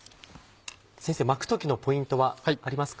先生巻く時のポイントはありますか？